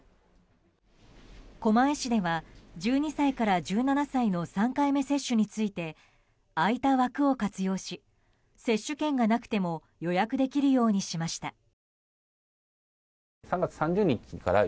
狛江市では１２歳から１７歳の３回目接種について空いた枠を活用し接種券がなくても予約できるようにしました。